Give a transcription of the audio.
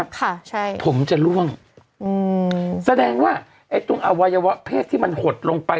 ค่ะใช่ผมจะล่วงอืมแสดงว่าไอ้ตรงอวัยวะเพศที่มันหดลงไป